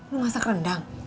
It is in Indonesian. lo masak rendang